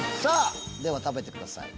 では食べてください。